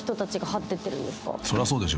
［そりゃそうでしょ。